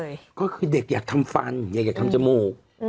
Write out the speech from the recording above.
เขาพูดเลยก็คือเด็กอยากทำฟันอยากอยากทำจมูกอืม